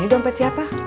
ini dompet siapa